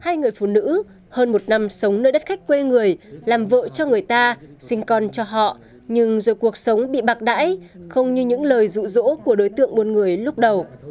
hai người phụ nữ hơn một năm sống nơi đất khách quê người làm vợ cho người ta sinh con cho họ nhưng rồi cuộc sống bị bạc đãi không như những lời rụ rỗ của đối tượng buôn người lúc đầu